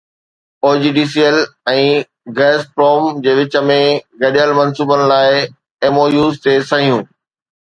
OGDCL ۽ Gazprom جي وچ ۾ گڏيل منصوبن لاءِ ايم او يوز تي صحيحون